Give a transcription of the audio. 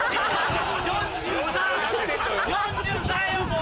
４３よもう！